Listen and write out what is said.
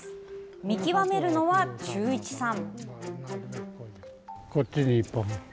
見極めるのは忠一さん。